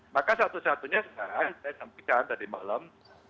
maka satu satunya sekarang saya sampaikan tadi malam